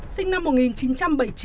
sinh năm một nghìn chín trăm bảy mươi chín